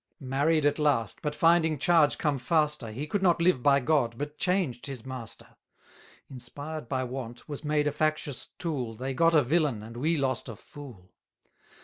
Married at last, but finding charge come faster, 360 He could not live by God, but changed his master: Inspired by want, was made a factious tool, They got a villain, and we lost a fool.